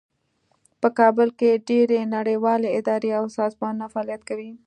په کابل کې ډیرې نړیوالې ادارې او سازمانونه فعالیت کوي